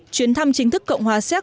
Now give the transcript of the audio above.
chuyến thăm chính thức cộng hòa xéc